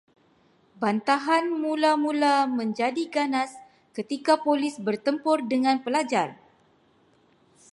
Bantahan mula-mula menjadi ganas ketika polis bertempur dengan pelajar